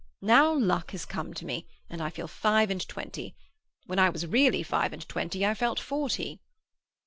Now luck has come to me, and I feel five and twenty. When I was really five and twenty, I felt forty."